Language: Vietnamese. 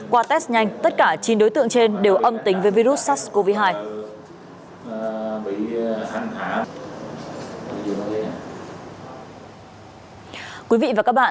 qua test nhanh tất cả chín đối tượng trên đều âm tính với virus sars cov hai